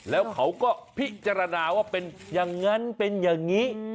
แล้วเขาก็พิจารณาว่าเป็นอย่างนั้นเป็นอย่างนี้